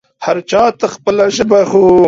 هر چا ته خپله ژبه خو